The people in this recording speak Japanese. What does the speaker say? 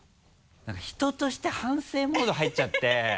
なんか人として反省モード入っちゃって。